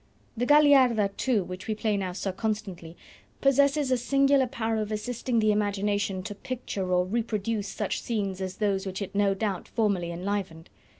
The Gagliarda too, which we play now so constantly, possesses a singular power of assisting the imagination to picture or reproduce such scenes as those which it no doubt formerly enlivened.